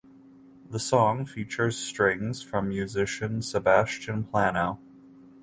The song features strings from musician Sebastian Plano.